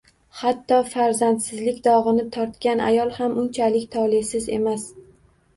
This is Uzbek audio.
Hatto farzandsizlik dog‘ini tortgan ayol ham unchalik tolesiz emas.